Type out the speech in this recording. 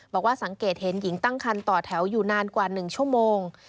บอกว่าสังเกตเห็นหญิงตั้งคันต่อแถวอยู่นานกว่า๑ชั่วโมง